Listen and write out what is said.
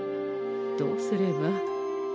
どうすれば。